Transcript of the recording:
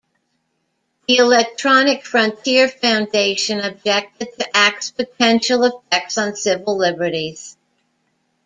The Electronic Frontier Foundation objected to Act's potential effects on civil liberties.